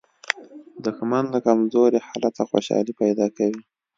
دښمن له کمزوري حالته خوشالي پیدا کوي